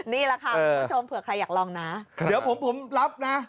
นี้แหละคะเพื่อใครอยากลองนะ